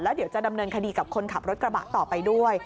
เดี๋ยวจะดำเนินคดีกับคนขับรถกระบะต่อไปด้วย